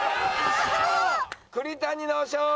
栗谷の勝利！